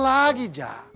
apa lagi jak